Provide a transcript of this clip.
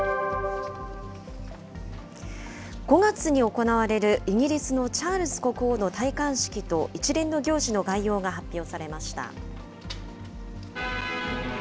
５月に行われるイギリスのチャールズ国王の戴冠式と、一連の行事の概要が発表されました。